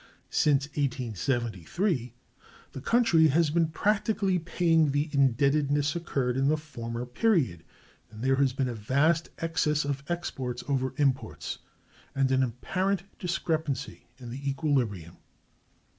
Since 1873 the country has been practically paying the indebtedness incurred in the former period; and there has been a vast excess of exports over imports, and an apparent discrepancy in the equilibrium.